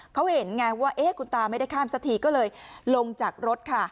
เขาเห็นไงว่าคุณตาไม่ได้ข้ามสักทีก็เลยลงจากรถค่ะ